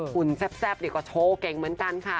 ุ่นแซ่บก็โชว์เก่งเหมือนกันค่ะ